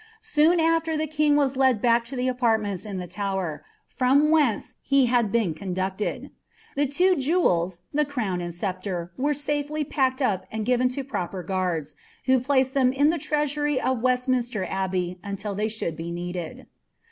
Soon afier ihe king was led back to the aparlmetits in ihe Tower, from whence lie had been con ducti d. The two jewels I ihe crown and acepire) were snfely [meked up uid given to proper giiarda, who placed them in tho treasury of Wes» niinsler Abhny, until they should be needed.'